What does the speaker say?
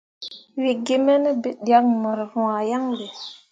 We ge me ne biɗǝkke mor rwah yan be.